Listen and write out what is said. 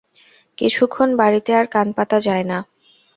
কিছুক্ষণ বাড়িতে আর কান পাতা যায় না।